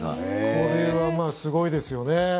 これはすごいですよね。